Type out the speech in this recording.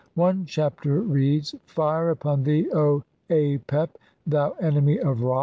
One Chapter reads: — "Fire "upon thee, O Apep, thou enemy of Ra